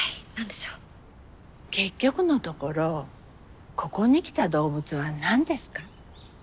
結局のところここに来た動物は何ですか？